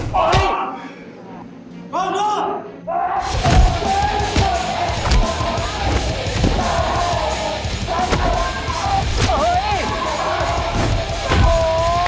พร้อมก่อน